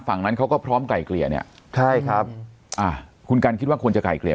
ฝั่งนั้นเขาก็พร้อมไกลเกลี่ยเนี่ยใช่ครับอ่าคุณกันคิดว่าควรจะไกลเกลี่ย